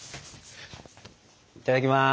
いただきます！